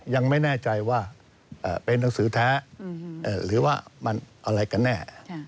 ยังไม่แน่ใจว่าเป็นหนังสือแท้หรือว่ามันอะไรกันแน่